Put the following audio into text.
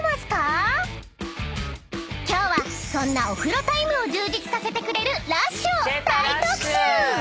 ［今日はそんなお風呂タイムを充実させてくれるＬＵＳＨを大特集！］